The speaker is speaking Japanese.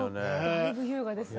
だいぶ優雅ですね。